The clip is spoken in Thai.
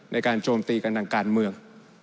ในการโจมตีกันดังการเมือง